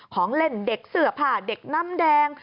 ของเล่นเด็กเสื้อผ้าเด็กน้ำแดง